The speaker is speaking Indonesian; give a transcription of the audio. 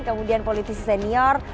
kemudian politisi senior